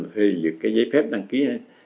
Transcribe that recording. phê duyệt cái giấy phép đăng ký